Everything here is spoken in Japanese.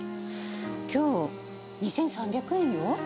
今日 ２，３００ 円よ